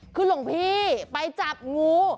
คือหลวงพี่ไปจับงู